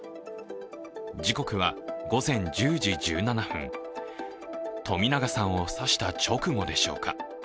時刻は午前１０時１７分、冨永さんを刺した直後でしょうか。